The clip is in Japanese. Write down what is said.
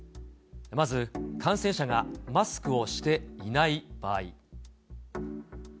まず感染者がマスクをしていない場合。